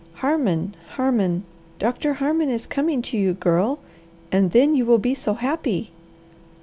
Harmon, Harmon, Doctor Harmon is coming to you, Girl, and then you will be so happy!"